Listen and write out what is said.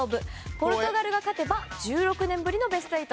ポルトガルが勝てば１６年ぶりのベスト８。